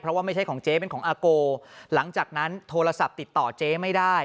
เพราะว่าไม่ใช่ของเจ๊เป็นของอาโกหลังจากนั้นโทรศัพท์ติดต่อเจ๊ไม่ได้